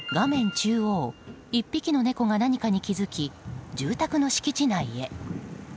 中央１匹の猫が何かに気づき住宅の敷地内へ。